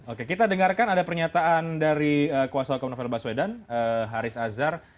oke kita dengarkan ada pernyataan dari kuasa hukum novel baswedan haris azhar